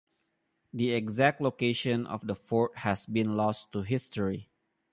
The exact location of the fort has been lost to history.